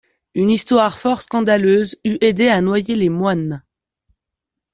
Une histoire fort scandaleuse eût aidé à noyer les moines.